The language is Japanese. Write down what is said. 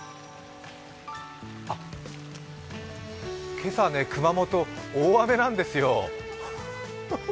今朝、熊本、大雨なんですよ。